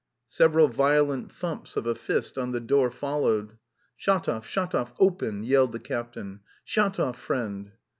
Several violent thumps of a fist on the door followed. "Shatov, Shatov, open!" yelled the captain. "Shatov, friend!